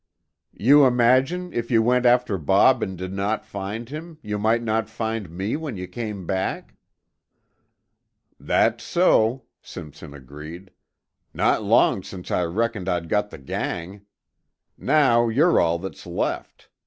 "You imagine if you went after Bob and did not find him, you might not find me when you came back?" "That's so," Simpson agreed. "Not long since I reckoned I'd got the gang. Now you're all that's left.